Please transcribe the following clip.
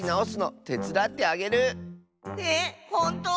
えっほんと⁉